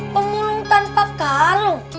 pemulung tanpa karung